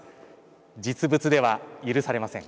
実物では許されません。